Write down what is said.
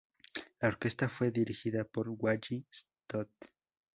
La orquesta fue dirigida por Wally Stott.